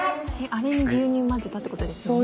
あれに牛乳混ぜたってことですよね。